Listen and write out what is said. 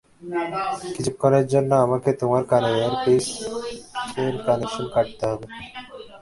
কিছুক্ষণের জন্য আমাকে তোমার কানের ইয়ারপিসের কানেকশন কাটতে হবে।